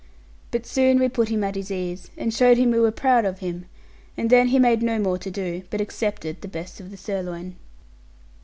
But soon we put him at his ease, and showed him we were proud of him; and then he made no more to do, but accepted the best of the sirloin.